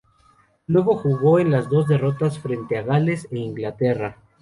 Luego jugó en las dos derrotas, frente a Gales e Inglaterra.